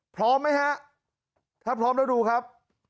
พร้อมไหมฮะถ้าพร้อมแล้วดูครับ